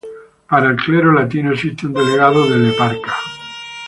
Para el clero latino existe un delegado del eparca.